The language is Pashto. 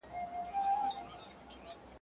شهو مي د نه وسه خور ده.